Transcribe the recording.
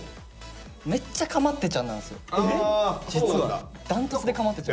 めっちゃかまってちゃんなんすよ実は。